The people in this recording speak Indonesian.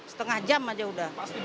setengah jam aja udah